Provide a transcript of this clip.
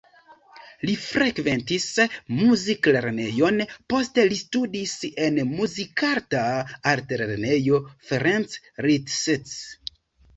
Li frekventis muziklernejon, poste li studis en Muzikarta Altlernejo Ferenc Liszt.